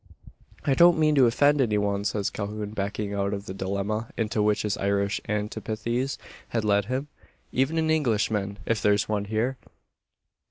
"I don't mean to offend any one," says Calhoun, backing out of the dilemma into which his Irish antipathies had led him; "even an Englishman, if there's one here."